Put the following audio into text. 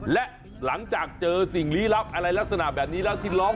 และหลังจากเจอสิ่งลี้ลับอะไรลักษณะแบบนี้แล้วที่ร้อง